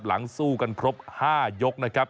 หลังสู้กันครบ๕ยกนะครับ